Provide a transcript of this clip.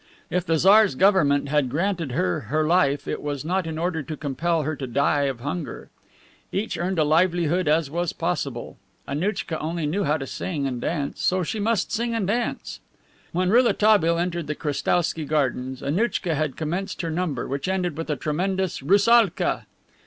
If the Tsar's government had granted her her life, it was not in order to compel her to die of hunger. Each earned a livelihood as was possible. Annouchka only knew how to sing and dance, and so she must sing and dance! When Rouletabille entered the Krestowsky Gardens, Annouchka had commenced her number, which ended with a tremendous "Roussalka."